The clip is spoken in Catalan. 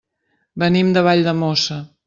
Venim de Valldemossa.